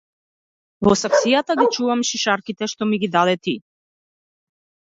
Во саксија ги чувам шишарките што ми ги даде ти.